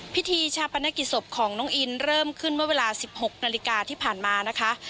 พิธีชาปนกิจศพของน้องอินเริ่มขึ้นเมื่อเวลา๑๖นาฬิกาที่ผ่านมานะคะ